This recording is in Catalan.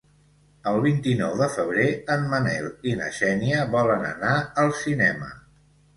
El vint-i-nou de febrer en Manel i na Xènia volen anar al cinema.